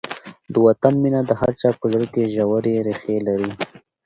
د وطن مینه د هر چا په زړه کې ژورې ریښې لري.